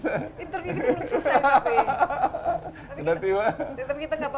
interview kita belum selesai tapi